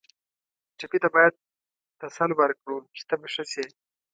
ټپي ته باید تسل ورکړو چې ته به ښه شې.